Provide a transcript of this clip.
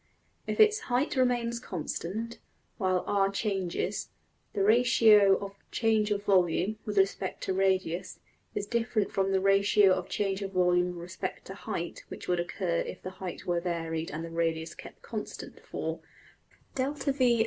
If its height remains constant, while $r$ changes, the ratio of change of volume, with respect to radius, is different from ratio of change of volume with respect to height which would occur if the height were varied and the radius kept constant, for \[ \left.